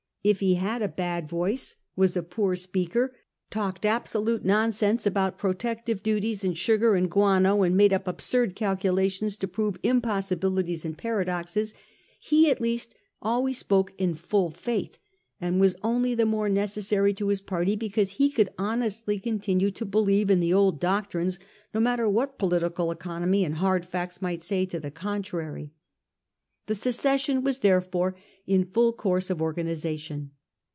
If he had a bad voice, was a poor speaker, talked abso lute nonsense about protective duties and sugar and guano, and made up absurd calculations to prove impossibilities and paradoxes, he at least always spoke in full faith, and was only the more necessary to his party because he could honestly continue to believe in the old doctrines, no matter what political economy and hard facts might say to the contrary. The secession was, therefore, in full course of organisation.